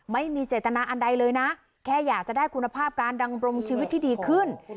ไม่มีเจตนาอันใดเลยนะแค่อยากจะได้คุณภาพการดำรงชีวิตที่ดีขึ้น